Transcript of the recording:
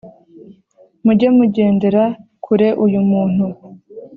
Mujye mugendera kure uyumuntu